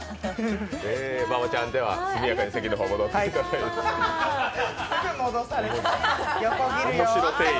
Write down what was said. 馬場ちゃん、では、速やかに席の方に戻っていただいて。